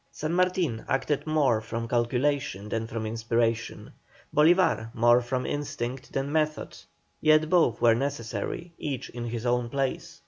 San Martin acted more from calculation than from inspiration, Bolívar more from instinct than from method, yet both were necessary, each in his own place.